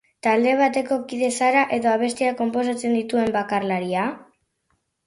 Talde bateko kide zara edo abestiak konposatzen dituen bakarlaria?